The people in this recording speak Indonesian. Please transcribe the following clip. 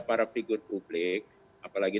para figur publik apalagi